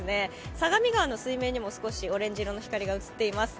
相模川の水面にも少しオレンジ色の光が映っています。